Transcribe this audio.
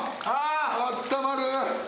あったまる。